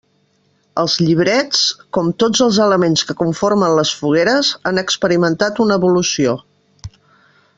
Els llibrets, com tots els elements que conformen les fogueres, han experimentat una evolució.